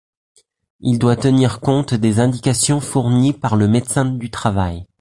Il doit tenir compte des indications fournies par le médecin du travail.